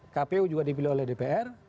kpu juga dipilih oleh dpr